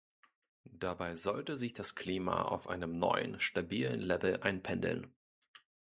Dabei sollte sich das Klima auf einem neuen stabilen Level einpendeln.